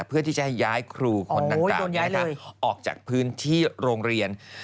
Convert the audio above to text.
เพื่อที่จะให้ย้ายครูคนดังกล่าวออกจากพื้นที่โรงเรียน